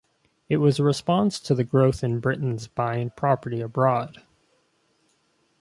It was a response to the growth in Britons buying property abroad.